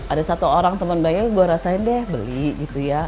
ada satu orang teman banyak gue rasain deh beli gitu ya